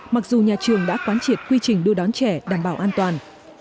mặc dù nhà trường đã quán triệt quy trình đưa đón trẻ đảm bảo an toàn